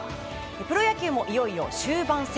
プロ野球もいよいよ終盤戦。